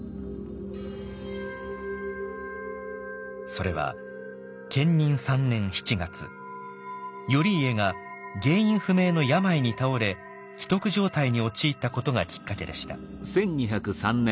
それは建仁３年７月頼家が原因不明の病に倒れ危篤状態に陥ったことがきっかけでした。